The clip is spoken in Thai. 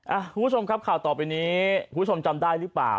คุณผู้ชมครับข่าวต่อไปนี้คุณผู้ชมจำได้หรือเปล่า